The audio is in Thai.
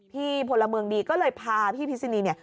พี่พลเมืองดีก็เลยพาพี่พิศินี